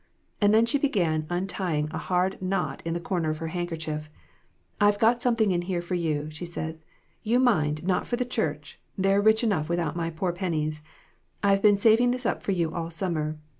And then she began untying a hard knot in the corner of her handkerchief. 'I've got something in here for you', she said. ' You, mind, not for the church ; they're rich enough without my poor pennies. I've been saving this up for you all summer.'